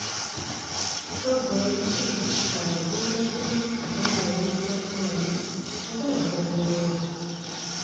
Ko bo nti ffe atubuuza kimu oba nga wayiseeko wano, oba wakomyewo.